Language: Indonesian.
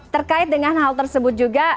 terkait dengan hal tersebut juga